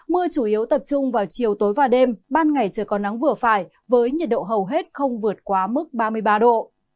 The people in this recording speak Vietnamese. mưa chủ yếu tập trung vào chiều tối và đêm ban ngày trời có nắng vừa phải với nhiệt độ hầu hết không vượt quá mức ba mươi ba độ